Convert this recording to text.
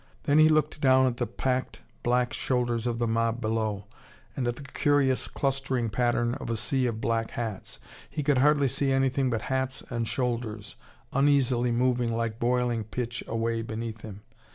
Then he looked down at the packed black shoulders of the mob below, and at the curious clustering pattern of a sea of black hats. He could hardly see anything but hats and shoulders, uneasily moving like boiling pitch away beneath him.